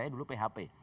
saya dulu php